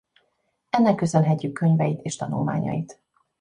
Ennek köszönhetjük könyveit és tanulmányait.